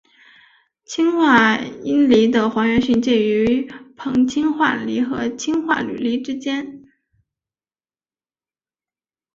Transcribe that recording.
氢化铟锂的还原性介于硼氢化锂和氢化铝锂之间。